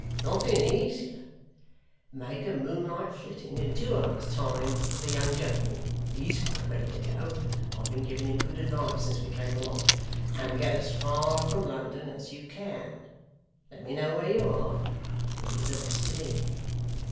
Nothing easier. Make a moonlight flitting in two hours' time with the young gentleman (he's quite ready to go; I have been giving him good advice as we came along), and get as far from London as you can. Let me know where you are, and leave the rest to me.